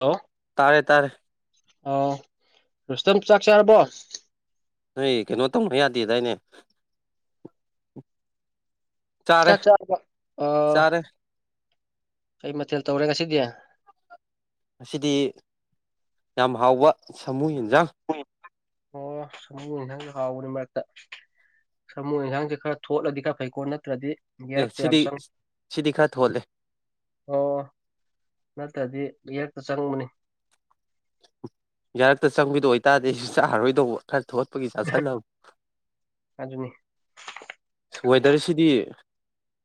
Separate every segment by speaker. Speaker 1: ꯂꯣ
Speaker 2: ꯇꯔꯦ ꯇꯔ
Speaker 1: ꯑꯥꯎ ꯔꯨꯁꯇꯝ ꯆꯥꯛ ꯆꯥꯔꯕꯣ
Speaker 2: ꯅꯣꯏ ꯀꯩꯅꯣ ꯇꯧꯅ ꯌꯥꯗꯦꯗꯥꯏꯅꯦ ꯆꯥꯔꯦ
Speaker 1: ꯆꯥꯛ ꯆꯔꯥꯕꯣ
Speaker 2: ꯆꯥꯔꯦ
Speaker 1: ꯀꯩ ꯃꯊꯦꯜ ꯇꯧꯔꯦ ꯉꯁꯤꯗꯤ
Speaker 2: ꯑꯁꯤꯗꯤ ꯌꯥꯝ ꯍꯥꯎꯕ ꯁꯥꯃꯨ ꯑꯦꯟꯁꯥꯡ
Speaker 1: ꯑꯣ ꯁꯃꯨꯅꯤ ꯍꯪ ꯍꯥꯎꯕꯅꯤ ꯃꯔꯛꯇ ꯁꯥꯃꯨ ꯏꯟꯁꯥꯡꯁꯦ ꯈꯔ ꯊꯣꯠꯂꯗꯤ ꯈꯔ ꯐꯩꯀꯣ ꯅꯠꯇ꯭ꯔꯗꯤ ꯌꯥꯔ
Speaker 2: ꯑꯦ ꯁꯤꯗꯤ
Speaker 1: ꯄꯁꯪ
Speaker 2: ꯁꯤꯗꯤ ꯈꯔ ꯊꯣꯠꯂꯦ
Speaker 1: ꯑꯣ ꯅꯠꯇ꯭ꯔꯗꯤ ꯏꯔꯛꯇ ꯆꯪꯕꯅꯤ
Speaker 2: ꯌꯥꯔꯛꯇ ꯆꯪꯕꯤꯗ ꯑꯣꯏꯇꯥꯔꯗꯤ ꯑꯩꯁꯨ ꯆꯥꯔꯔꯣꯏꯗꯧꯕ ꯈꯔ ꯊꯣꯠ ꯄꯒꯤ ꯆꯥꯁꯤꯜꯕ
Speaker 1: ꯑꯗꯨꯅꯤ
Speaker 2: ꯋꯦꯗꯔꯁꯤꯗꯤ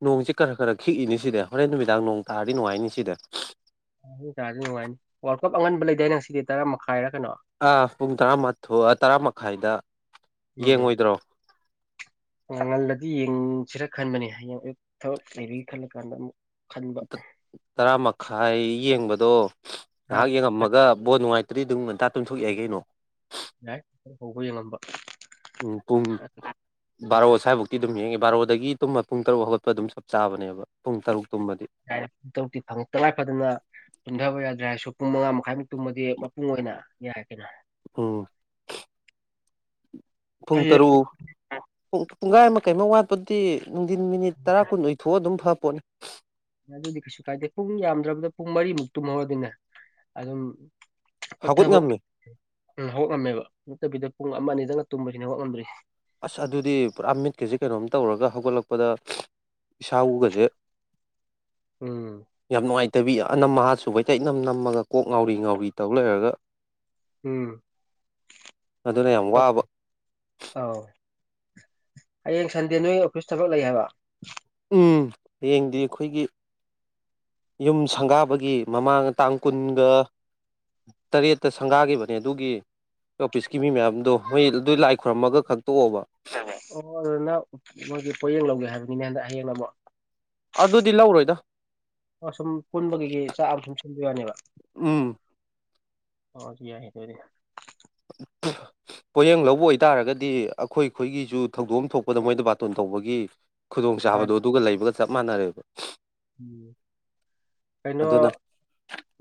Speaker 2: ꯅꯣꯡꯁꯤ ꯈꯔ ꯈꯔ ꯈꯤꯛꯏꯅꯤ ꯁꯤꯗ ꯍꯣꯔꯦꯟ ꯅꯨꯃꯤꯗꯥꯡ ꯅꯣꯡ ꯇꯥꯔꯗꯤ ꯅꯨꯡꯉꯥꯏꯅꯤ ꯁꯤꯗ
Speaker 1: ꯅꯨꯡꯉꯥꯏꯅꯤ ꯋꯥꯔꯜ ꯀꯞ ꯑꯉꯟꯕ ꯂꯩꯗꯥꯏꯅꯦ ꯉꯁꯤꯗꯤ ꯇꯔꯥ ꯃꯈꯥꯏꯔꯥ ꯀꯩꯅꯣ
Speaker 2: ꯑ ꯄꯨꯡ ꯇꯔꯥꯃꯊ ꯇꯔꯥ ꯃꯈꯥꯏꯗ ꯌꯦꯡꯉꯣꯏꯗ꯭ꯔꯣ
Speaker 1: ꯎꯝ ꯉꯜꯂꯦ ꯑꯗꯨ ꯌꯦꯡꯁꯤꯔ ꯈꯟꯕꯅꯦ ꯍꯌꯦꯡ ꯊꯕꯛ ꯂꯩꯕꯦ ꯈꯜꯂ ꯀꯥꯟꯗ ꯑꯃꯨꯛ ꯈꯟꯕ
Speaker 2: ꯈꯥꯏ ꯌꯦꯡꯕꯗꯣ
Speaker 1: ꯇꯔꯥ
Speaker 2: ꯉꯥꯏꯍꯥꯛ
Speaker 1: ꯃꯈꯥꯏ
Speaker 2: ꯌꯦꯡꯉꯝꯃꯒ ꯕꯣꯠ ꯅꯨꯡꯉꯥꯏꯇ ꯗꯤ ꯑꯗꯨꯝ ꯉꯟꯇꯥ ꯇꯨꯝꯊꯣꯛ ꯌꯥꯏ ꯀꯩꯅꯣ
Speaker 1: ꯌꯥꯏ ꯍꯧꯕ ꯌꯦꯡꯉꯝꯕ
Speaker 2: ꯎꯝ ꯄꯨꯡ ꯕꯥꯔꯣ
Speaker 1: ꯎꯝ
Speaker 2: ꯁ꯭ꯋꯥꯏꯐꯥꯎꯛꯇꯤ ꯑꯗꯨꯝ ꯌꯦꯡꯉꯤ ꯕꯥꯔꯣ ꯑꯗꯒꯤ ꯇꯨꯝꯕ ꯄꯨꯡ ꯇꯔꯨꯛ ꯍꯧꯒꯠꯄ ꯑꯗꯨꯝ ꯆꯞ ꯆꯥꯕꯅꯦꯕ ꯄꯨꯡ ꯇꯔꯨꯛ ꯇꯨꯝꯕꯗ
Speaker 1: ꯌꯥ ꯇꯧꯛꯇꯤ ꯐꯪꯉꯛꯇ ꯂꯥꯛꯄꯗꯅ ꯇꯨꯝꯊꯕ ꯌꯥꯗ꯭ꯔꯦ ꯍꯥꯏꯔꯁꯨ ꯄꯨꯡ ꯃꯉꯥ ꯃꯈꯥꯏꯃꯨꯛ ꯇꯨꯝꯃꯗꯤ ꯃꯄꯨꯡ ꯑꯣꯏꯅ ꯌꯥꯏ ꯀꯩꯅꯣ
Speaker 2: ꯎꯝ ꯊꯨꯡ
Speaker 1: ꯐꯩꯌꯦ
Speaker 2: ꯇꯔꯨꯛ ꯄꯨꯡꯈꯥꯏ ꯑꯃ ꯀꯩ ꯑꯃ ꯋꯥꯠꯄꯗꯤ ꯅꯨꯡꯊꯤꯟ ꯃꯤꯅꯤꯠ ꯇꯔꯥ ꯀꯨꯟ ꯑꯣꯏꯊꯣꯛꯑ ꯑꯗꯨꯝ ꯐꯄꯣꯠꯅꯤ
Speaker 1: ꯑꯗꯨꯗꯤ ꯀꯩꯁꯨ ꯀꯥꯏꯗꯦ ꯄꯨꯡ ꯌꯥꯝꯗ꯭ꯔꯕꯗ ꯄꯨꯡ ꯃꯔꯤꯃꯨꯛ ꯇꯨꯝꯍꯧꯔꯗꯤꯅꯦ ꯑꯗꯨꯝ
Speaker 2: ꯍꯧꯒꯠ
Speaker 1: ꯄꯠꯊꯕ
Speaker 2: ꯉꯝꯃꯤ
Speaker 1: ꯍꯧꯂꯝꯝꯃꯦꯕ ꯅꯠꯇꯕꯤꯗ ꯄꯨꯡ ꯑꯃ ꯑꯅꯤꯗꯪꯅ ꯇꯨꯝꯕꯁꯤꯅꯦ ꯍꯧꯛ ꯉꯝꯗ꯭ꯔꯤ
Speaker 2: ꯑꯁ ꯑꯗꯨꯗꯤ ꯄꯨꯔꯥ ꯃꯤꯠꯀꯁꯤꯦ ꯀꯩꯅꯣꯝ ꯇꯧꯔꯒ ꯍꯧꯒꯠꯂꯛꯄꯗ ꯏꯁꯥ ꯎꯒꯁꯦ
Speaker 1: ꯎꯝ
Speaker 2: ꯌꯥꯝ ꯅꯨꯡꯉꯥꯏꯇꯦ ꯇꯕꯤ ꯑꯅꯝ ꯑꯥ ꯁꯨꯕꯩꯇꯩ ꯏꯅꯝ ꯅꯝꯃꯒ ꯀꯣꯛ ꯉꯥꯎꯔꯤ ꯉꯥꯎꯔꯤ ꯇꯧ ꯂꯩꯔꯒ
Speaker 1: ꯎꯝ
Speaker 2: ꯑꯗꯨꯅ ꯌꯥꯝ ꯋꯥꯕ
Speaker 1: ꯑꯧ ꯍꯌꯦꯡ ꯁꯟꯗꯦ ꯅꯣꯏ ꯑꯣꯐꯤꯁ ꯊꯕꯛ ꯂꯩ ꯍꯥꯏꯕ
Speaker 2: ꯎꯝ ꯍꯌꯦꯡꯗꯤ ꯑꯩꯈꯣꯏꯒꯤ ꯌꯨꯝ ꯁꯪꯒꯥꯕꯒꯤ ꯃꯃꯥꯡ ꯇꯥꯡ ꯀꯨꯟꯒ ꯇꯔꯦꯠꯇ ꯁꯪꯒꯥꯈꯤꯕꯅꯦ ꯑꯗꯨꯒꯤ ꯑꯣꯐꯤꯁꯀꯤ ꯃꯤ ꯃꯌꯥꯝꯗꯣ ꯃꯣꯏ ꯑꯗꯨ ꯂꯥꯏ ꯈꯨꯣꯏꯔꯝꯃꯒ ꯈꯪꯇꯣꯛꯑꯣꯕ
Speaker 1: ꯑꯣ ꯑꯗꯨꯅ ꯃꯣꯏꯒꯤ ꯄꯣꯠꯌꯦꯡ ꯂꯧꯒꯦ ꯍꯥꯏꯕꯅꯤꯅꯦ ꯍꯟꯗꯛ ꯍꯌꯦꯡꯅ ꯑꯃꯨꯛ
Speaker 2: ꯑꯗꯨꯗꯤ ꯂꯧꯔꯣꯏꯗ
Speaker 1: ꯁꯨꯝ ꯄꯨꯟꯕꯒꯤ ꯆꯥꯛ ꯑ ꯊꯨꯝ ꯁꯤꯟꯕꯤ ꯌꯥꯅꯦꯕ
Speaker 2: ꯎꯝ
Speaker 1: ꯍ ꯁꯤ ꯌꯥꯏꯗꯔ
Speaker 2: ꯄꯣꯌꯦꯡ ꯂꯧꯕ ꯑꯣꯏꯇꯥꯔꯒꯗꯤ ꯑꯩꯈꯣꯏꯈꯣꯏꯒꯤꯁꯨ ꯊꯧꯗꯣꯛ ꯑꯃ ꯊꯣꯛꯄꯗ ꯃꯣꯏꯗ ꯕꯥꯇꯣꯟ ꯇꯧꯕꯒꯤ ꯈꯨꯗꯣꯡ
Speaker 1: ꯑ
Speaker 2: ꯆꯥꯕꯗꯣ ꯑꯗꯨꯒ ꯂꯩꯕꯒ ꯆꯞ ꯃꯥꯟꯅꯔꯦꯕ
Speaker 1: ꯀꯩꯅꯣ
Speaker 2: ꯑꯗꯨꯅ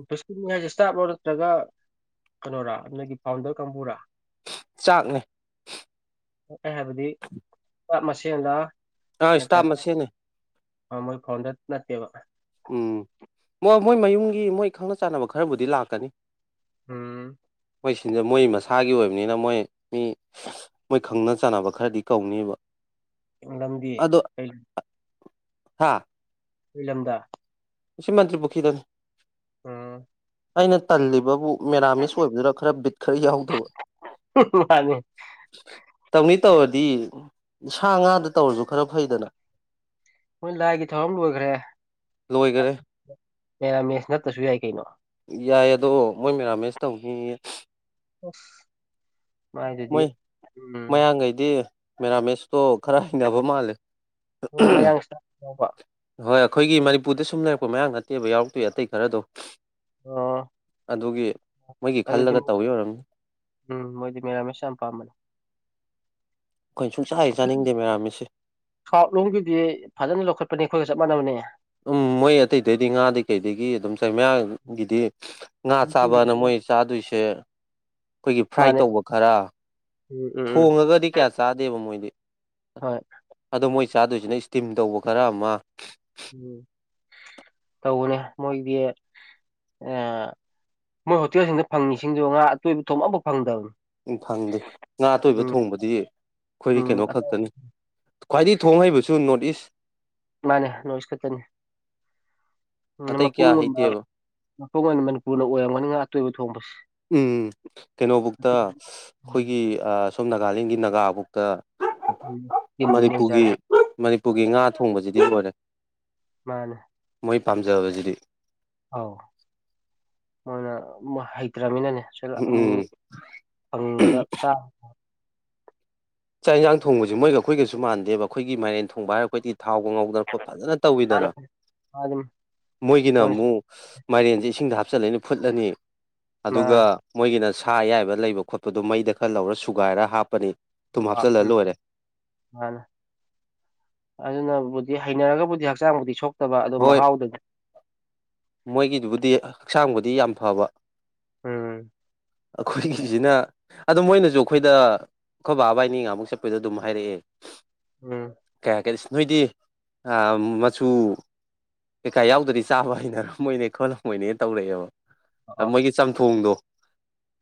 Speaker 1: ꯄꯨꯁꯀꯨꯜ ꯍꯥꯏꯁꯦ ꯏꯁꯇꯥ ꯑꯣꯏ ꯅꯠꯇ꯭ꯔꯒ ꯀꯩꯅꯣꯔꯥ ꯅꯒꯤ ꯐꯥꯎꯟꯗꯔ ꯀꯥꯡꯕꯨꯔ
Speaker 2: ꯆꯥꯛꯅꯦ
Speaker 1: ꯍꯥꯏꯕꯗꯤ ꯄꯠ ꯃꯁꯦꯟꯗ
Speaker 2: ꯑꯥ ꯏꯁꯇꯥꯞ ꯃꯅꯤ
Speaker 1: ꯑ ꯃ ꯐꯣꯟꯗ ꯅ ꯀꯦꯕ
Speaker 2: ꯎꯝ ꯃꯣꯏ ꯃꯣꯏ ꯃꯌꯨꯝꯒꯤ ꯃꯣꯏ ꯈꯪꯅ ꯆꯥꯟꯅꯕ ꯈꯔꯕꯨꯗꯤ ꯂꯥꯛꯀꯅꯤ
Speaker 1: ꯎꯝ
Speaker 2: ꯃꯣꯏ ꯁꯤꯟꯖꯦ ꯃꯣꯏ ꯃꯁꯥꯒꯤ ꯑꯣꯏꯕꯅꯤꯅ ꯃꯣꯏ ꯃꯤ ꯃꯣꯏ ꯈꯪꯅ ꯆꯥꯟꯅꯕ ꯈꯔꯗꯤ ꯀꯧꯅꯦꯕ
Speaker 1: ꯅꯗꯤ ꯀ
Speaker 2: ꯍꯥꯥ
Speaker 1: ꯏꯂꯝꯂꯝꯗ
Speaker 2: ꯁꯤ ꯃꯇ꯭ꯔꯤ ꯄꯨꯈꯤꯗꯅꯤ
Speaker 1: ꯑꯝ
Speaker 2: ꯑꯩꯅ ꯇꯜꯂꯤꯕꯕꯨ ꯃꯦꯔꯥꯃꯤꯁ ꯑꯣꯏꯕꯗꯨꯅ ꯈꯔ ꯕꯤꯠ ꯈꯔ ꯌꯥꯎꯧꯗꯕ
Speaker 1: ꯃꯥꯅꯤ
Speaker 2: ꯇꯧꯅꯤ ꯇꯧꯔꯗꯤ ꯁꯥ ꯉꯥꯗ ꯇꯧꯔꯁꯨ ꯈꯔ ꯐꯩꯗꯅ
Speaker 1: ꯃꯣꯏ ꯂꯥꯏꯒꯤ ꯊꯧꯔꯝ ꯂꯣꯏꯈ꯭ꯔꯦ
Speaker 2: ꯂꯣꯏꯈꯔꯦ
Speaker 1: ꯄꯦꯔꯥꯃꯦꯁ ꯅꯠꯇꯁꯨ ꯌꯥꯏ ꯀꯩꯅꯣ
Speaker 2: ꯌꯥꯏ ꯑꯗꯣ ꯃꯣꯏ ꯃꯦꯔꯥꯃꯦꯁ ꯇꯧꯅꯤꯌꯦ
Speaker 1: ꯑꯣꯐ
Speaker 2: ꯃꯣꯏ ꯃꯌꯥꯈꯩꯗꯤ ꯃꯦꯔꯥꯃꯤꯁ ꯇꯣ ꯈꯔ ꯍꯩꯅꯕ ꯃꯥꯜꯂꯦ
Speaker 1: ꯑꯣꯕ
Speaker 2: ꯍꯣꯏ ꯑꯩꯈꯣꯏꯒꯤ ꯃꯅꯤꯄꯨꯔꯗ ꯁꯨꯝ ꯂꯩꯔꯛꯄ ꯃꯌꯥꯝ ꯅꯠꯇꯦꯕ ꯌꯥꯎꯔꯛꯇꯣꯏ ꯑꯇꯩ ꯈꯔꯗꯣ
Speaker 1: ꯑ
Speaker 2: ꯑꯗꯨꯒꯤ ꯃꯣꯏꯒꯤ
Speaker 1: ꯑꯗꯨꯗꯤ
Speaker 2: ꯈꯜꯂꯒ ꯇꯧꯋꯤ ꯑꯣꯏꯔꯝꯅꯤ
Speaker 1: ꯎꯝ ꯃꯣꯏꯗꯤ ꯃꯦꯔꯥꯃꯦꯁ ꯌꯥꯝ ꯄꯥꯝꯕꯅꯤ
Speaker 2: ꯑꯩꯈꯣꯏꯅ ꯁꯨꯡꯆꯥ ꯍꯦꯛ ꯆꯥꯅꯤꯡꯗꯦ ꯃꯦꯔꯥꯃꯦꯁꯁꯦ
Speaker 1: ꯁꯥꯎꯠ ꯂꯣꯝꯒꯤꯗꯤ ꯐꯖꯅ ꯂꯧꯈꯠꯄꯅꯤ ꯑꯩꯈꯣꯏꯒ ꯆꯞ ꯃꯥꯟꯅꯕꯅꯦ [unintelligible]
Speaker 2: ꯎꯝ ꯃꯣꯏ ꯑꯇꯩꯗꯤ ꯉꯥꯗꯤ ꯀꯩꯗꯒꯤ ꯑꯗꯨꯝ ꯆꯩꯃꯌꯥꯒꯤꯗꯤ ꯉꯥ ꯆꯥꯕꯅ ꯃꯣꯏ ꯆꯥꯗꯣꯏꯁ ꯁꯦ ꯑꯩꯈꯣꯏꯒꯤ ꯐ꯭ꯔꯥꯏ
Speaker 1: ꯃꯥꯅꯦ
Speaker 2: ꯇꯧꯕ ꯈꯔ
Speaker 1: ꯎꯝ ꯎꯝ ꯎꯝ
Speaker 2: ꯊꯣꯡꯉꯒꯗꯤ ꯀꯌꯥ ꯆꯥꯗꯦꯕ ꯃꯣꯏꯗꯤ
Speaker 1: ꯍꯣꯏ
Speaker 2: ꯑꯗꯣ ꯃꯣꯏ ꯆꯥꯗꯣꯏꯁꯤꯅ ꯏꯁꯇꯤꯝ ꯇꯧꯕ ꯈꯔ ꯑꯃ
Speaker 1: ꯎꯝ ꯇꯧꯕꯅꯦ ꯃꯣꯏꯗꯤ ꯑ ꯃꯣꯏ ꯍꯣꯇꯦꯜꯁꯤꯡꯗ ꯐꯪꯉꯤꯁꯤꯡꯗꯨꯣ ꯉꯥ ꯑꯇꯣꯏꯕ ꯊꯣꯡ ꯑꯃꯐꯥꯎ ꯐꯪꯗꯕꯅꯤ
Speaker 2: ꯎꯝ ꯐꯪꯗꯦ ꯉꯥ ꯑꯇꯣꯏꯕ
Speaker 1: ꯎꯝ
Speaker 2: ꯊꯣꯡꯕꯗꯤ ꯑꯩꯈꯣꯏ
Speaker 1: ꯎꯝ
Speaker 2: ꯀꯩꯅꯣ ꯈꯛꯇꯅꯤ ꯈ꯭ꯋꯥꯏꯗꯒꯤ ꯊꯣꯡ ꯍꯩꯕꯁꯨ ꯅꯣꯔꯠ ꯏꯁ
Speaker 1: ꯃꯥꯅꯦ ꯅꯣꯔꯠ ꯏꯁ ꯈꯛꯇꯅꯤ ꯑꯥ
Speaker 2: ꯑꯇꯩ ꯀꯌꯥ
Speaker 1: ꯃꯄꯨꯡꯒꯨꯝꯕ
Speaker 2: ꯍꯩꯇꯦꯕ
Speaker 1: ꯃꯐꯝ ꯑꯣꯏꯅ ꯃꯅꯤꯄꯨꯔꯅ ꯑꯣꯏꯔꯝꯒꯅꯤꯅ ꯑꯇꯣꯏꯕ ꯊꯣꯡꯕꯁꯤ
Speaker 2: ꯎꯝ ꯀꯩꯅꯣꯕꯨꯛꯇ ꯑꯁ
Speaker 1: ꯎꯝ
Speaker 2: ꯑꯩꯈꯣꯏꯒꯤ ꯑꯥ ꯁꯣꯝ ꯅꯥꯒꯥꯂꯦꯟꯒꯤ ꯅꯥꯒꯥꯕꯨꯛꯇ
Speaker 1: ꯎꯝ ꯇꯤꯝꯅꯤ ꯃꯣꯏ
Speaker 2: ꯃꯅꯤꯄꯨꯔꯒꯤ
Speaker 1: ꯆꯥꯏꯗꯣ
Speaker 2: ꯃꯅꯤꯄꯨꯔꯒꯤ ꯉꯥ ꯊꯣꯡꯕꯁꯤꯗꯤ ꯂꯣꯏꯔꯦ
Speaker 1: ꯃꯥꯅꯦ
Speaker 2: ꯑꯩ ꯄꯥꯝꯖꯕꯁꯤꯗꯤ
Speaker 1: ꯑꯥꯎ ꯃ‌ꯣꯏꯅ ꯃ ꯍꯩꯇ꯭ꯔꯥꯃꯤꯅꯅꯦ
Speaker 2: ꯎꯝ
Speaker 1: ꯑꯃꯨꯛ ꯐꯪꯕꯗ ꯆꯥꯕ
Speaker 2: ꯆꯥꯛ ꯏꯟꯁꯥꯡ ꯊꯣꯡꯕꯁꯤ ꯃꯣꯏꯒ ꯑꯩꯈꯣꯏꯒꯁꯨ ꯃꯥꯟꯗꯦꯕ ꯑꯩꯈꯣꯏꯒꯤ ꯃꯥꯏꯔꯦꯟ ꯊꯣꯡꯕ ꯍꯥꯏꯔ ꯑꯩꯈꯣꯏꯗꯤ ꯊꯥꯎꯗ ꯉꯧꯗꯅ ꯈꯣꯠ ꯐꯖꯅ ꯇꯧꯋꯤꯗꯅ
Speaker 1: ꯑꯗꯨꯝ
Speaker 2: ꯃꯣꯏꯒꯤꯅ
Speaker 1: ꯃꯣꯏꯅ
Speaker 2: ꯑꯃꯨꯛ [unintelligible] ꯃꯥꯏꯔꯦꯟꯁꯦ ꯏꯁꯤꯡꯗ ꯍꯥꯞꯆꯤꯜꯂꯅꯤ ꯐꯨꯠꯂꯅꯤ ꯑꯗꯨꯒ
Speaker 1: ꯃꯥꯅꯦ
Speaker 2: ꯃꯣꯏꯒꯤꯅ ꯁꯥ ꯑꯌꯥꯏꯕ ꯂꯩꯕ ꯈꯣꯠꯄꯗꯣ ꯃꯩꯗ ꯈꯔ ꯂꯧꯔ ꯁꯨꯒꯥꯏꯔ ꯍꯥꯞꯄꯅꯤ ꯊꯨꯝ ꯍꯥꯞꯆꯜꯂ
Speaker 1: ꯎꯝ
Speaker 2: ꯂꯣꯏꯔꯦ
Speaker 1: ꯃꯥꯅ‌‌ꯦ ꯑꯗꯨꯅꯕꯨꯗꯤ ꯍꯩꯅꯔꯒꯕꯨꯗꯤ ꯍꯛꯆꯥꯡꯕꯨꯗꯤ ꯁꯣꯛ
Speaker 2: ꯍꯣꯏ ꯃꯣꯏꯒꯤꯗꯨꯕꯨꯗꯤ ꯍꯛꯆꯥꯡꯕꯨꯗꯤ ꯌꯥꯝ ꯐꯕ
Speaker 1: ꯎꯝ
Speaker 2: ꯑꯩꯈꯣꯏꯒꯤꯁꯤꯅ ꯑꯗꯨ ꯃꯣꯏꯅꯁꯨ ꯑꯩꯈꯣꯏꯗ ꯑꯩꯈꯣꯏ ꯕꯥ ꯏꯕꯅꯤ ꯉꯍꯟꯃꯨꯛ ꯆꯠꯄꯩꯗ ꯑꯗꯨꯝ ꯍꯥꯏꯔꯛꯑꯦ
Speaker 1: ꯎꯝ
Speaker 2: ꯀꯌꯥ ꯀꯩ ꯅꯣꯏꯗꯤ ꯑꯥ ꯃꯆꯨ ꯀꯩꯀꯥ ꯌꯥꯎꯗꯔꯗꯤ ꯆꯥꯕ ꯍꯩꯅꯔꯝꯃ‌ꯣꯏꯅꯦ ꯈꯣꯠꯂꯝꯃ‌ꯣꯏꯅꯦ ꯇꯧꯔꯛꯑꯦꯕ ꯑꯥ
Speaker 1: ꯑꯣ
Speaker 2: ꯃꯣꯏꯒꯤ ꯆꯝꯊꯣꯡꯗꯣ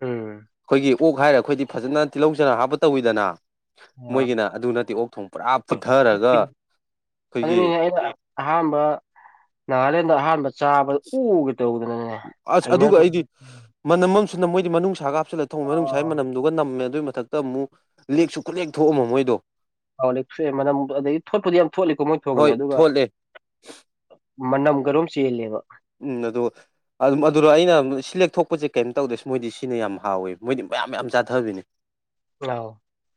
Speaker 1: ꯎꯝ
Speaker 2: ꯑꯩꯈꯣꯏꯒꯤ ꯑꯣꯛ ꯍꯥꯏꯔ ꯑꯩꯈꯣꯏꯗꯤ ꯐꯖꯅ ꯇꯤꯜꯍꯧ ꯆꯅꯝ ꯍꯥꯞꯄ ꯇꯧꯋꯤꯗꯅ
Speaker 1: ꯑ
Speaker 2: ꯃꯣꯏꯒꯤꯅ ꯑꯗꯨ ꯅꯠꯇꯦ ꯑꯣꯛ ꯊꯣꯡ ꯄꯨꯔꯥ ꯄꯨꯊꯔꯒ
Speaker 1: ꯑꯗꯨꯅꯤꯅꯦ ꯑꯩꯅ ꯑꯍꯥꯟꯕ ꯅꯥꯒꯥꯂꯦꯟꯗ ꯑꯍꯥꯟꯕ ꯆꯥꯕꯗ ꯑꯣꯒꯦ ꯇꯧꯋ‌ꯦ
Speaker 2: ꯑꯁ ꯑꯗꯨꯒ ꯑꯩꯗꯤ ꯃꯅꯝ ꯑꯃꯁꯨꯅ ꯃꯣꯏꯗꯤ ꯃꯅꯨꯡꯅꯨꯡꯁꯥꯒ ꯍꯥꯞꯆꯜꯂꯦ ꯊꯣꯡ ꯃꯅꯨꯡꯁꯥꯒꯤ ꯃꯅꯝꯗꯨꯒ ꯅꯝꯃꯦ ꯑꯗꯨꯏ ꯃꯊꯛꯇ ꯑꯃꯨꯛ ꯂꯦꯛꯁꯨ ꯈꯨꯠꯂꯦꯛ ꯊꯣꯛꯑꯝꯃ ꯃꯣꯏꯗꯣ
Speaker 1: ꯍꯥꯎ ꯂꯦꯛꯁ‌ꯦ ꯃꯅꯝ ꯑꯗꯒꯤ ꯊꯣꯠꯄꯨꯗꯤ ꯌꯥꯝ ꯊꯣꯠꯂꯤꯀꯣ ꯃꯣꯏ ꯊꯣꯡꯉꯅꯤ
Speaker 2: ꯍꯣꯏ
Speaker 1: ꯑꯗꯨꯒ
Speaker 2: ꯊꯣꯛꯂꯦ
Speaker 1: ꯃꯅꯝ ꯀꯔꯨꯝ ꯆꯦꯜꯂꯦꯕ
Speaker 2: ꯎꯝ ꯑꯗꯣ ꯑꯗꯨꯝ ꯑꯗꯨꯗꯣ ꯑꯩꯅ ꯁꯤꯂꯦꯛ ꯊꯣꯛꯄꯁꯦ ꯀꯩꯝꯇ ꯇꯧꯗ꯭ꯔ‌ ꯃꯣꯏꯗꯤ ꯁꯤꯅ ꯌꯥꯝ ꯍꯥꯎꯋꯦ ꯃꯣꯏꯗꯤ ꯃꯌꯥꯝ ꯃꯌꯥꯝ ꯆꯥꯊꯕꯤꯅꯤ
Speaker 1: ꯑꯥꯎ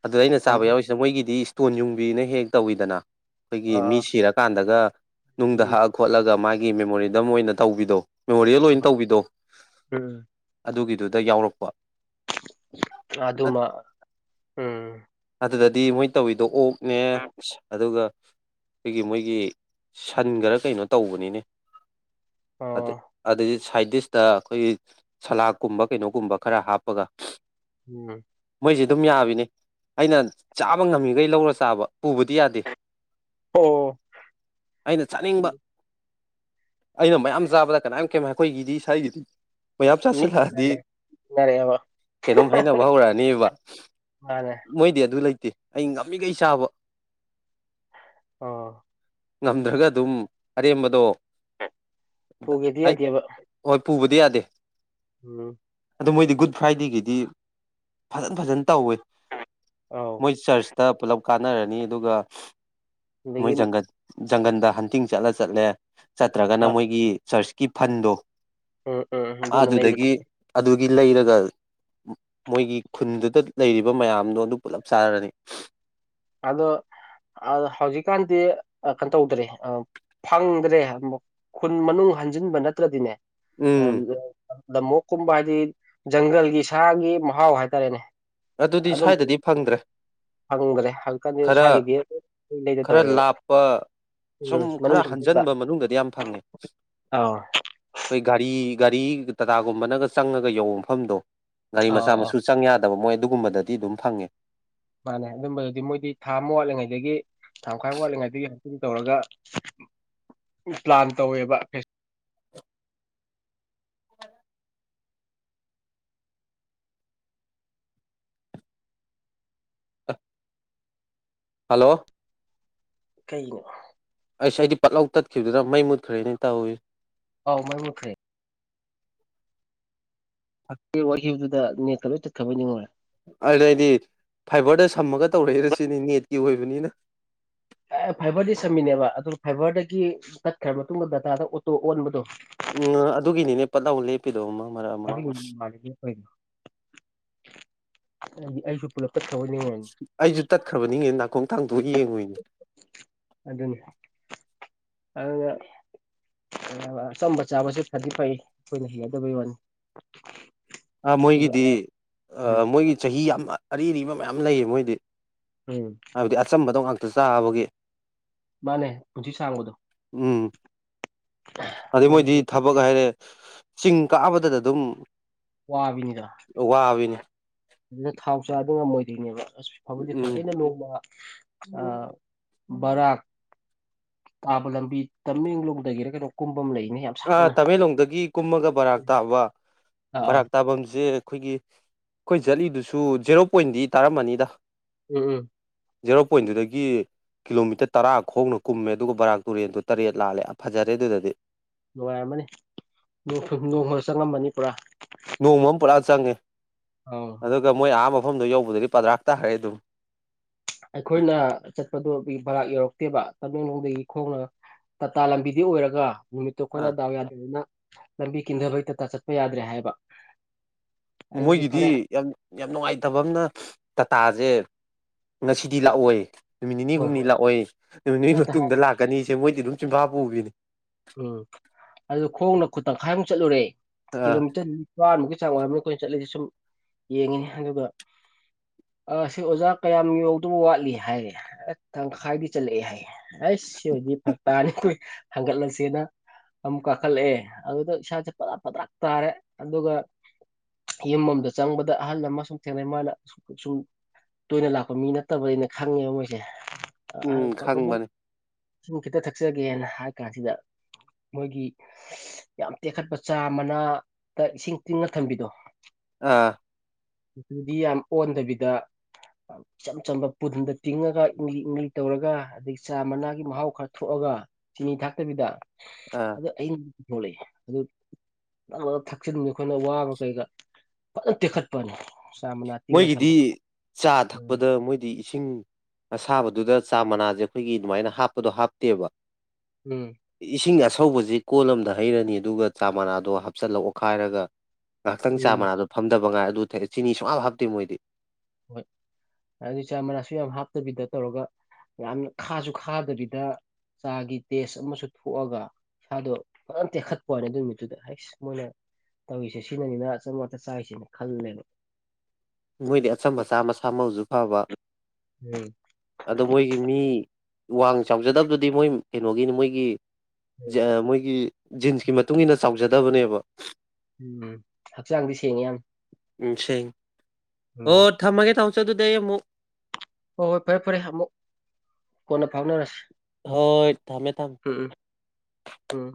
Speaker 2: ꯑꯗꯨ ꯑꯩꯅ ꯆꯥꯕ ꯌꯥꯎꯔꯤꯁꯤꯅ ꯃꯣꯏꯒꯤꯗꯤ ꯏꯁꯇꯣꯟ ꯌꯨꯡꯕꯤꯅ ꯍ‌ꯦꯍꯦꯛ ꯇꯧꯋꯤꯗꯅ ꯑꯩꯈꯣꯏꯒꯤ ꯃꯤ
Speaker 1: ꯑꯥ
Speaker 2: ꯁꯤꯔꯀꯥꯟꯗꯒ ꯅꯨꯡꯗ
Speaker 1: ꯎꯝ
Speaker 2: ꯍꯛꯑ ꯈꯣꯠꯂꯒ ꯃꯥꯒꯤ ꯃꯦꯃꯣꯔ‌ꯦꯟ ꯗꯝ ꯑꯣꯏꯅ ꯇꯧꯕꯤꯗꯣ ꯃꯦꯃꯣꯔꯤꯌꯦꯜ ꯑꯣꯏꯅ ꯇꯧꯕꯤꯗꯣ
Speaker 1: ꯎꯝ
Speaker 2: ꯑꯗꯨꯒꯤꯗꯨ ꯗ ꯌꯥꯎꯔꯛꯄ
Speaker 1: ꯑꯗꯨꯃ ꯎꯝ
Speaker 2: ꯗꯤ ꯃꯣꯏ ꯇꯧꯋꯤꯗꯣ ꯑꯣꯛꯅꯦ ꯑꯁ ꯑꯗꯨꯒ ꯑꯩꯈꯣꯏꯒꯤ ꯃꯣꯏꯒꯤ ꯁꯟ ꯈꯔ ꯀꯩꯅꯣ ꯇꯧꯕꯅꯤꯅꯦ ꯑꯗꯨ
Speaker 1: ꯑꯣ
Speaker 2: ꯑꯗꯨꯏ ꯁꯥꯏꯠ ꯗꯤꯁꯇ ꯑꯩꯈꯣꯏꯒꯤ ꯁꯂꯥꯗꯀꯨꯝꯕ ꯀꯩꯅꯣꯒꯨꯝꯕ ꯈꯔ ꯍꯥꯞꯄꯒ
Speaker 1: ꯎꯝ
Speaker 2: ꯑꯩꯈꯣꯏꯁꯦ ꯑꯗꯨꯝ ꯌꯥꯕꯤꯅꯦ ꯑꯩꯅ ꯆꯥꯕ ꯉꯝꯃꯤꯈꯩ ꯂꯧꯔ ꯆꯥꯕ ꯄꯨꯕꯗꯤ ꯌꯥꯗꯦ
Speaker 1: ꯑꯣ
Speaker 2: ꯑꯩꯅ ꯆꯥꯅꯤꯡꯕ ꯑꯩꯅ ꯃꯌꯥꯝ ꯆꯥꯕꯗ ꯀꯅꯥꯝ ꯀꯦꯝ ꯑꯩꯈꯣꯏꯒꯤꯗꯤ ꯁꯋꯥꯏꯒꯤꯗꯤ ꯃꯌꯥꯝ
Speaker 1: ꯃꯤꯠ
Speaker 2: ꯆꯥꯁꯤꯜꯂꯛꯑꯗꯤ
Speaker 1: ꯎꯅꯔꯦ ꯎꯅꯔꯛꯑꯦꯕ
Speaker 2: ꯀꯩꯅꯣꯝ ꯍꯥꯏꯅꯕ ꯍꯧꯔꯛꯑꯅꯤꯕ
Speaker 1: ꯃꯥꯅꯦ
Speaker 2: ꯃꯣꯏꯗꯤ ꯑꯗꯨ ꯂꯩꯇ ꯇꯦ ꯑꯩ ꯉꯝꯃꯤꯈꯩ ꯆꯥꯕ
Speaker 1: ꯑꯥ
Speaker 2: ꯉꯝꯗ꯭ꯔꯒ ꯑꯗꯨꯝ ꯑꯔꯦꯝꯕꯗꯣ
Speaker 1: ꯄꯨꯒꯦꯗꯤ
Speaker 2: ꯑꯩ
Speaker 1: ꯌꯥꯗꯦꯕ
Speaker 2: ꯍꯣꯏ ꯄꯨꯕꯗꯤ ꯌꯥꯗꯦ
Speaker 1: ꯎꯝ
Speaker 2: ꯑꯗꯣ ꯃꯣꯏꯗꯤ ꯒꯨꯗ ꯐ꯭ꯔꯥꯏꯗꯦꯒꯤꯗꯤ ꯐꯖꯟ ꯐꯖꯟ ꯇꯧꯋꯤ
Speaker 1: ꯑꯧ
Speaker 2: ꯃꯣꯏ ꯆꯔꯁꯇ ꯄꯨꯂꯞ ꯀꯥꯟꯅꯔꯅꯤ ꯑꯗꯨꯒ ꯃꯣꯏ
Speaker 1: ꯑꯗꯒꯤ
Speaker 2: ꯖꯪꯒꯜ ꯖꯪꯒꯜꯗ ꯍꯟꯇꯤꯡ ꯆꯠꯂ ꯆꯠꯂꯦ ꯆꯠꯇ꯭ꯔꯒꯅ
Speaker 1: ꯑ
Speaker 2: ꯃꯣꯏꯒꯤ ꯆꯔꯁꯀꯤ ꯐꯟꯗꯣ
Speaker 1: ꯎꯝ ꯎꯝ ꯑꯗꯨꯅ ꯂꯩꯕꯗꯣ
Speaker 2: ꯑꯗꯨꯗꯒꯤ ꯑꯗꯨꯒꯤ ꯂꯩꯔꯒ ꯃꯣꯏꯒꯤ ꯈꯨꯟꯗꯨꯗ ꯂꯩꯔꯤꯕ ꯃꯌꯥꯝꯗꯣ ꯑꯗꯨ ꯄꯨꯜꯂꯞ ꯆꯥꯔꯔꯅꯤ
Speaker 1: ꯑꯗꯣ ꯑꯥ ꯍꯧꯖꯤꯛꯀꯥꯟꯗꯤ ꯑꯥ ꯀꯩꯅꯣ ꯇꯧꯗ꯭ꯔꯦ ꯐꯪꯗ꯭ꯔꯦ ꯈꯨꯟ ꯃꯅꯨꯡ ꯍꯟꯖꯤꯟꯕ ꯅꯠꯇ꯭ ꯔꯗꯤꯅꯦ
Speaker 2: ꯎꯝ
Speaker 1: ꯂꯝꯃꯣꯛꯀꯨꯝꯕ ꯍꯥꯏꯗꯤ ꯖꯪꯒꯜꯒꯤ ꯁꯥꯒꯤ ꯃꯍꯥꯎ ꯍꯥꯏꯇꯥꯔꯦꯅꯦ
Speaker 2: ꯑꯗꯨꯗꯤ
Speaker 1: ꯑꯗꯨꯝ
Speaker 2: ꯁ꯭ꯋꯥꯏꯗꯗꯤ ꯐꯪꯗ꯭ꯔꯦ
Speaker 1: ꯐꯪꯗ꯭ꯔꯦ ꯍꯧꯖꯤꯛꯀꯥꯟꯗꯤ
Speaker 2: ꯈꯔ
Speaker 1: ꯁꯥꯒꯤꯗꯤ ꯂꯩꯗ
Speaker 2: ꯈꯔ
Speaker 1: ꯇꯧꯔꯦꯕ
Speaker 2: ꯂꯥꯞꯄ ꯁꯨꯝ
Speaker 1: ꯎꯝ ꯃꯅꯨꯡ
Speaker 2: ꯈꯔ
Speaker 1: ꯆꯪꯁꯤꯟꯕ
Speaker 2: ꯍꯟꯖꯟꯕ ꯃꯅꯨꯡꯗꯗꯤ ꯌꯥꯝ ꯐꯪꯉꯦ
Speaker 1: ꯑꯥꯎ
Speaker 2: ꯑꯩꯈꯣꯏ ꯒꯥꯔꯤ ꯒꯥꯔꯤ ꯇꯇꯥꯒꯨꯝꯕꯅꯒ ꯆꯪꯉꯒ ꯌꯧꯕ ꯃꯐꯝꯗꯣ ꯒꯥꯔꯤ
Speaker 1: ꯑ
Speaker 2: ꯃꯆꯥ ꯃꯁꯨ ꯆꯪ ꯌꯥꯗꯕ ꯃꯣꯏ ꯑꯗꯨꯒꯨꯝꯕꯗꯗꯤ ꯑꯗꯨꯝ ꯐꯪꯉꯦ
Speaker 1: ꯃꯥꯅꯦ ꯑꯗꯨꯝꯕꯗꯨꯗꯤ ꯃꯣꯏꯗꯤ ꯊꯥ ꯑꯃ ꯋꯥꯠꯂꯤꯉꯩꯗꯒꯤ ꯊꯥꯃꯈꯥꯏ ꯑꯃ ꯋꯥꯠꯂꯤꯉꯩꯗꯒꯤ ꯍꯟꯇꯤꯡ ꯇꯧꯔꯒ ꯄ꯭ꯂꯥꯟ ꯇꯧꯋꯦꯕ
Speaker 2: ꯑꯦ ꯍꯜꯂꯣ
Speaker 1: ꯀꯩꯅꯣ
Speaker 2: ꯏꯁ ꯑꯩꯗꯤ ꯄꯠꯂꯧ ꯇꯠꯈꯤꯕꯗꯨꯗ ꯃꯩ ꯃꯨꯠꯈ꯭ꯔꯦꯅꯦ ꯇꯧꯏ
Speaker 1: ꯑꯥꯎ ꯃꯩ ꯃꯨꯈ꯭ꯔꯦ ꯋꯥꯈꯤꯕꯗꯨꯗ ꯅꯦꯠꯀ ꯂꯣꯏ ꯇꯠꯈ꯭ꯔꯕ ꯅꯤꯡꯉꯨꯔꯦ
Speaker 2: ꯑꯗꯩꯗꯤ ꯐꯥꯏꯕꯔꯗ ꯁꯝꯃꯒ ꯇꯧꯔꯛꯏꯔ ꯁꯤꯅꯤ ꯅꯦꯠꯀꯤ ꯑꯣꯏꯕꯅꯤꯅ
Speaker 1: ꯑꯦ ꯐꯥꯏꯕꯔꯗꯤ ꯁꯝꯃꯤꯅꯦꯕ ꯑꯗꯨ ꯐꯥꯏꯕꯔꯗꯒꯤ ꯇꯠꯈ꯭ꯔ ꯃꯇꯨꯡꯗ ꯗꯇꯥꯗ ꯑꯣꯇꯣ ꯑꯣꯟꯕꯗꯣ
Speaker 2: ꯎꯝ ꯑꯗꯨꯒꯤꯅꯤꯅꯦ ꯄꯠ ꯂꯥꯎ ꯂꯦꯞꯄꯤ
Speaker 1: ꯑꯩꯁꯨ ꯄꯨꯂꯞ ꯇꯠꯈ꯭ꯔꯕꯣꯏ ꯅꯤꯡꯉꯨꯔꯅꯤ
Speaker 2: ꯑꯩꯁꯨ ꯇꯠꯈ꯭ꯔꯕꯅꯤꯅꯦ ꯅꯥꯀꯣꯡ ꯌꯦꯡꯉꯨꯏꯅꯤ
Speaker 1: ꯑꯗꯨꯗ ꯑꯗꯨꯒ ꯑꯆꯝꯕ ꯆꯥꯕꯁꯤ ꯐꯗꯤ ꯐꯩ ꯑꯩꯈꯣꯏꯅ ꯍꯩꯅꯗꯕꯩ ꯋꯥꯅꯤ
Speaker 2: ꯑꯥ
Speaker 1: ꯑꯗꯨ
Speaker 2: ꯃꯣꯏꯒꯤꯗꯤ ꯃꯣꯏꯒꯤ ꯆꯍꯤ ꯌꯥꯝ ꯑꯔꯤ ꯑꯔꯤꯕ ꯃꯌꯥꯝ ꯂꯩꯌꯦ ꯃꯣꯏꯗꯤ
Speaker 1: ꯎꯝ
Speaker 2: ꯍꯥꯏꯕꯗꯤ ꯑꯆꯝꯕꯗꯣ ꯉꯥꯛꯇ ꯆꯥꯕꯒꯤ
Speaker 1: ꯃꯥꯅꯦ ꯄꯨꯟꯁꯤ ꯁꯥꯡꯕꯗꯣ
Speaker 2: ꯎꯝ ꯑꯗꯩ
Speaker 1: ꯑꯗꯨ
Speaker 2: ꯃꯣꯏꯗꯤ ꯊꯕꯛ ꯍꯥꯏꯔꯦ ꯆꯤꯡ ꯀꯥꯕꯗꯗ ꯑꯗꯨꯝ
Speaker 1: ꯋꯥꯕꯤꯅꯤꯗꫭ
Speaker 2: ꯋꯥꯕꯤꯅꯤ
Speaker 1: ꯑꯗꯨꯗ ꯊꯥꯎ ꯆꯥꯗ ꯉꯝꯃꯣꯏꯗꯣꯏꯅꯦꯕ ꯑꯁ ꯐꯕꯗꯤ ꯐꯩ
Speaker 2: ꯎꯝ
Speaker 1: ꯑꯩꯅ ꯅꯣꯡꯃ ꯑ ꯕꯔꯥꯛ ꯇꯥꯕ ꯂꯝꯕꯤ ꯇꯃꯦꯡꯂꯣꯡꯗꯒꯤꯔ ꯀꯩꯅꯣ ꯀꯨꯝ
Speaker 2: ꯑꯥ ꯇꯃꯦꯡꯂꯣꯡꯗꯒꯤ ꯀꯨꯝꯃꯒ ꯕꯔꯥꯛ ꯇꯥꯕ
Speaker 1: ꯑꯥ ꯑꯥ
Speaker 2: ꯕꯔꯥꯛ ꯇꯥꯐꯝꯁꯦ ꯑꯩꯈꯣꯏꯒꯤ ꯑꯩꯈꯣꯏ ꯆꯖꯠꯂꯤꯗꯨꯁꯨ ꯖꯦꯔꯣ ꯄꯣꯏꯟꯗꯤ ꯇꯥꯔꯝꯃꯅꯤꯗ
Speaker 1: ꯎꯝ ꯎꯝ
Speaker 2: ꯖꯦꯔꯣ ꯄꯣꯏꯟꯗꯨꯨꯗꯒꯤ ꯀꯤꯂꯣꯃꯤꯇꯔ ꯇꯔꯥ ꯈꯣꯡꯅ ꯀꯨꯝꯃꯦ ꯑꯗꯨꯒ ꯕꯔꯥꯛ ꯇꯨꯔꯦꯟꯗꯨ‌ ꯇꯔꯦꯠ ꯂꯥꯜꯂꯦ ꯐꯖꯔꯦ ꯑꯗꯨꯗꯗꯤ
Speaker 1: ꯅꯨꯡꯉꯥꯏꯔꯝꯃꯅꯤ ꯅꯣꯡꯃꯗ ꯆꯪꯉꯃꯅꯤ ꯄꯨꯔꯥ
Speaker 2: ꯅꯣꯡꯃ ꯑꯃ ꯄꯨꯔꯥ ꯆꯪꯉꯦ
Speaker 1: ꯑꯥꯎ
Speaker 2: ꯑꯗꯨꯒ ꯃꯣꯏ ꯑꯍꯥ ꯃꯐꯝꯗꯣ ꯌꯧꯕꯗꯗꯤ ꯄꯥꯗ꯭ꯔꯥꯛ ꯇꯥꯔꯦ ꯑꯗꯨꯝ
Speaker 1: ꯑꯩꯈꯣꯏꯅ ꯆꯠꯄꯗꯣ ꯑꯩ ꯚꯔꯥꯛ ꯌꯧꯔꯛꯇꯦꯕ ꯇꯃꯦꯡꯂꯣꯡꯗꯒꯤ ꯈꯣꯡꯅ ꯇꯇꯥ ꯂꯝꯕꯤꯗꯤ ꯑꯣꯏꯔꯒ ꯅꯨꯃꯤꯠꯇꯣ
Speaker 2: ꯑ
Speaker 1: ꯑꯩꯈꯣꯏꯅ ꯗꯥꯎ ꯌꯥꯗ꯭ꯔꯦꯅꯤꯅ ꯂꯝꯕꯤ ꯀꯤꯟꯊꯕ ꯍꯩꯇꯛꯇ ꯆꯠꯄ ꯌꯥꯗ꯭ꯔꯦ ꯍꯥꯏꯕ ꯑꯗꯨꯗꯤ
Speaker 2: ꯃꯣꯏꯒꯤꯗꯤ
Speaker 1: ꯐꯔꯦ
Speaker 2: ꯌꯥꯝ ꯌꯥꯝ ꯅꯨꯡꯉꯥꯏꯇꯕ ꯑ ꯑꯃꯅ ꯇꯥꯇꯥꯁꯦ ꯉꯁꯤꯗꯤ ꯂꯥꯛꯑꯣꯏ ꯅꯨꯃꯤꯠ ꯅꯤꯅꯤ
Speaker 1: ꯍꯣꯏ
Speaker 2: ꯍꯨꯝꯅꯤ
Speaker 1: ꯍꯣꯏ
Speaker 2: ꯂꯥꯛꯑꯣꯏ ꯅꯨꯃꯤꯠ ꯅꯤꯅꯤꯒꯤ
Speaker 1: ꯍꯦꯛꯇ
Speaker 2: ꯃꯇꯨꯡꯗ
Speaker 1: ꯍꯥꯏꯔꯣ
Speaker 2: ꯂꯥꯛꯀꯅꯤꯁꯦ ꯃꯣꯏꯗꯤ ꯑꯗꯨꯝ ꯆꯝꯐꯥ ꯄꯨꯕꯤꯅꯤ
Speaker 1: ꯎꯝ ꯑꯗꯨꯗ ꯈꯣꯡꯅ ꯈꯨ ꯇꯪꯈꯥꯏꯃꯨꯛ ꯆꯠꯂꯨꯔꯦ
Speaker 2: ꯑꯥ
Speaker 1: ꯀꯤꯂꯣꯃꯤꯇꯔ ꯅꯤꯄꯥꯥꯟꯃꯨꯛꯀꯤ ꯆꯥꯡ ꯋꯥꯏꯔꯔꯕꯅꯤ ꯑꯩꯈꯣꯏꯅ ꯆꯠꯂꯤꯁꯦ ꯁꯨꯝ ꯌꯦꯡꯉꯤꯅꯤ ꯑꯗꯨꯒ ꯑ ꯁꯤ ꯑꯣꯖꯥ ꯀꯌꯥꯝ ꯌꯧꯗꯕ ꯋꯥꯠꯂꯤ ꯍꯥꯏꯔꯦ ꯑ ꯇꯪꯈꯥꯏꯗꯤ ꯆꯠꯂꯛꯑꯦ ꯍꯥꯏꯌꯦꯦ ꯑꯩ ꯁꯤ ꯑꯣꯏꯗꯤ ꯐ ꯇꯥꯅꯤ ꯍꯪꯒꯠꯂꯁꯤ ꯁꯤꯦꯅ ꯑꯃꯨꯛ ꯀꯥꯈꯠꯂꯛꯑꯦ ꯑꯗꯨꯗ ꯏꯁꯥꯁꯦ ꯄꯗ꯭ꯔꯥꯛ ꯄꯗ꯭ꯔꯥꯛ ꯇꯥꯔꯦ ꯑꯗꯨꯒ ꯌꯨꯝ ꯑꯃꯗ ꯆꯪꯕꯗ ꯑꯍꯜ ꯑꯃ ꯁꯨꯝ ꯊꯦꯡꯅꯩ ꯃꯥꯅ ꯑ ꯁꯨꯝ ꯇꯣꯏꯅ ꯂꯥꯛꯄ ꯃꯤ ꯅꯠꯇꯕ ꯑꯩꯅ ꯈꯪꯉꯦꯕ ꯃꯣꯏꯁꯦ
Speaker 2: ꯎꯝ
Speaker 1: ꯄꯥꯕꯨꯡ
Speaker 2: ꯈꯪꯕꯅꯦ
Speaker 1: ꯁꯨꯝ ꯈꯤꯇ ꯊꯛꯆꯒꯦꯅ ꯍꯥꯏ ꯀꯥꯟꯁꯤꯗ ꯃꯣꯏꯒꯤ ꯌꯥꯝ ꯇꯦꯛꯈꯠꯄ ꯆꯥ ꯃꯅꯥꯗ ꯏꯁꯤꯡ ꯇꯤꯡꯉ ꯊꯝꯕꯤꯗꯣ
Speaker 2: ꯑꯥ
Speaker 1: ꯑꯗꯨꯗꯤ ꯌꯥꯝ ꯑꯣꯟꯗꯕꯤꯗ ꯏꯆꯝ ꯆꯝꯕ ꯄꯨꯟꯗ ꯇꯤꯡꯉꯒ ꯏꯪꯂꯤ ꯏꯪꯂꯤ ꯇꯧꯔꯒ ꯑꯗꯒꯤ ꯆꯥ ꯃꯅꯥꯒꯤ ꯃꯍꯥꯎ ꯈꯔ ꯊꯣꯛꯑꯒ ꯀ ꯆꯤꯅꯤ ꯊꯥꯛꯇꯕꯤꯗ
Speaker 2: ꯑꯥ
Speaker 1: ꯑ ꯑꯩꯅ ꯊꯣꯛꯂꯛꯏꯦ ꯑꯗꯨ ꯅꯪꯅ ꯊꯛꯆꯤꯟꯅꯤ ꯑꯩꯈꯣꯏꯅ ꯋꯥꯕ ꯀꯩꯗ ꯐꯖꯅ ꯇꯦꯛꯈꯠꯄꯅꯤ ꯆꯥ ꯃꯅꯥ ꯇꯤꯡꯉ ꯊꯝꯕꯗꯣ
Speaker 2: ꯃꯣꯏꯒꯤꯗꯤ ꯆꯥ
Speaker 1: ꯎꯝ
Speaker 2: ꯊꯛꯄꯗ ꯃꯣꯏꯗꯤ ꯏꯁꯤꯡ ꯑꯁꯥꯕꯗꯨꯗ ꯆꯥ ꯃꯅꯥꯁꯦ ꯑꯩꯈꯣꯏꯒꯤ ꯑꯗꯨꯃꯥꯏꯅ ꯍꯥꯞꯄꯗꯣ ꯍꯥꯞꯇꯦꯕ
Speaker 1: ꯎꯝ
Speaker 2: ꯏꯁꯤꯡ ꯑꯁ ꯑꯊꯧꯕꯁꯤ ꯀꯣ ꯑꯃꯗ ꯍꯩꯔꯅꯤ ꯑꯗꯨꯒ ꯆꯥ ꯃꯅꯥꯗꯣ ꯍꯥꯞꯆꯤꯜꯂꯛ ꯑꯣꯈꯥꯏꯔꯒ ꯉꯥꯏꯍꯥꯛꯇꯪ ꯆꯥ
Speaker 1: ꯎꯝ
Speaker 2: ꯃꯅꯥꯗꯣ ꯐꯝꯗꯕ ꯉꯥꯏ ꯑꯗꯨ ꯆꯤꯅꯤ ꯁꯨꯡꯞ ꯍꯥꯞꯇꯦ ꯃꯣꯏꯗꯤ
Speaker 1: ꯍꯣꯏ ꯑꯗꯨꯗꯤ ꯆꯥ ꯃꯅꯥꯁꯨ ꯌꯥꯝ ꯍꯥꯞꯇꯕꯤꯗ ꯇꯧꯔꯒ ꯌꯥꯝꯅ ꯈꯥꯁꯨ ꯈꯥꯗꯕꯤꯗ ꯆꯥꯒꯤ ꯇꯦꯁ ꯑꯃꯁꯨ ꯊꯣꯛꯑꯒ ꯏꯁꯥꯗꯣ ꯐ ꯇꯦꯛꯈꯠꯄꯅꯦ ꯑꯗꯨ ꯅꯨꯃꯤꯠꯇꯨꯗ ꯍꯁ ꯃꯣꯏꯅ ꯇꯧꯔꯤꯁꯦ ꯁꯤꯅꯅꯤꯅ ꯑꯆꯝꯇ ꯆꯥꯏꯔꯤꯁꯅ ꯈꯜꯂꯦꯕ
Speaker 2: ꯃꯣꯏꯗꯤ ꯑꯆꯝ ꯃꯆꯥ ꯃꯁꯥ ꯃꯎꯁꯨ ꯐꯕ
Speaker 1: ꯎꯝ
Speaker 2: ꯑꯗꯣ ꯃꯣꯏꯒꯤ ꯃꯤ ꯋꯥꯡ ꯆꯥꯎꯖꯗꯕꯗꯨꯗꯤ ꯃꯣꯏ ꯀꯩꯅꯣꯒꯤꯅꯤ ꯃꯣꯏꯒꯤ ꯃꯣꯏꯒꯤ ꯖꯤꯟꯁꯀꯤ ꯃꯇꯨꯡ ꯏꯟꯅ ꯆꯥꯎꯖꯗꯕꯅꯦꯕ
Speaker 1: ꯎꯝ ꯍꯛꯆꯥꯡꯗꯤ ꯁꯦꯡꯉꯦ ꯌꯥꯝ
Speaker 2: ꯎꯝꯁ ꯍ
Speaker 1: ꯎꯝ
Speaker 2: ꯊꯝꯃꯒꯦ ꯇꯥꯃꯁꯦ ꯑꯗꯨꯗꯩ ꯑꯩ ꯑꯃꯨꯛ
Speaker 1: ꯍꯣꯏ ꯍꯣꯏ ꯐꯔꯦ ꯐꯔꯦ ꯑꯃꯨꯛ ꯀꯣꯟꯅ ꯐꯥꯎꯅꯔꯁꯤ
Speaker 2: ꯍꯣꯏ ꯊꯝꯃꯦ ꯊꯝꯃꯦ
Speaker 1: ꯎꯝ ꯎꯝ ꯎꯝ